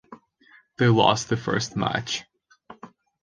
They lost the first match.